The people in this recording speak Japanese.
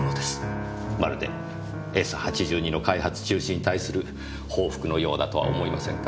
まるで「Ｓ８２」の開発中止に対する報復のようだとは思いませんか？